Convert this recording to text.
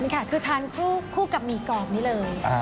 ค่ะคือทานคู่กับหมี่กรอบนี้เลย